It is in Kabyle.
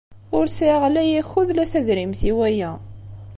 Ur sɛiɣ la akud la tadrimt i waya.